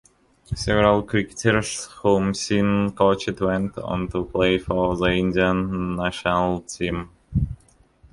Several cricketers whom Singh coached went on to play for the Indian national team.